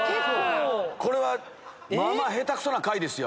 これはまあまあ下手クソな回ですよ。